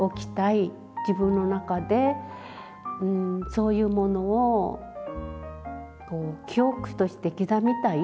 自分の中でそういうものを記憶として刻みたい。